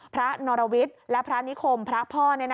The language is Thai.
นรวิทย์และพระนิคมพระพ่อ